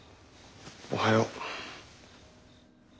おはよう。